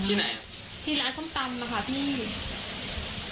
ที่ไหนที่ร้านทำตำนะคะพี่ไม่มีครับอ๋อ